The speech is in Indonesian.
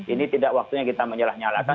ini tidak waktunya kita menyalah nyalakan